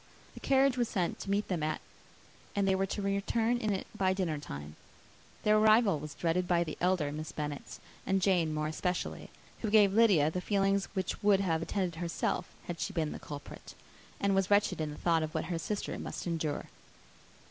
The carriage was sent to meet them at , and they were to return in it by dinnertime. Their arrival was dreaded by the elder Miss Bennets and Jane more especially, who gave Lydia the feelings which would have attended herself, had she been the culprit, and was wretched in the thought of what her sister must endure.